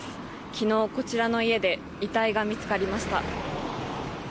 昨日、こちらの家で遺体が見つかりました。